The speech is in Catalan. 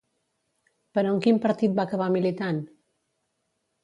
Però en quin partit va acabar militant?